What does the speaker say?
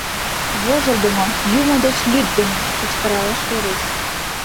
Вожылдымо, юмо деч лӱддымӧ! — кычкыралеш Веруш.